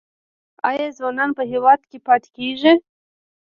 آیا ځوانان په هیواد کې پاتې کیږي؟